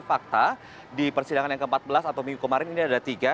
fakta di persidangan yang ke empat belas atau minggu kemarin ini ada tiga